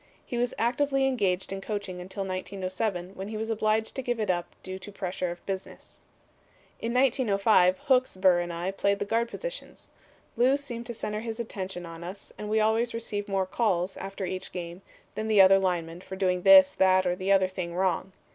He was actively engaged in coaching until 1907 when he was obliged to give it up due to pressure of business. "In 1905 'Hooks' Burr and I played the guard positions. 'Lew' seemed to center his attention on us as we always received more 'calls' after each game than the other linemen for doing this, that, or the other thing wrong.